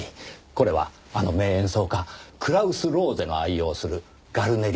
これはあの名演奏家クラウス・ローゼの愛用するガルネリ・デル・ジェスですね？